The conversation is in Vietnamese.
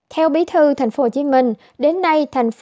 theo bí thư tp hcm đến nay tp hcm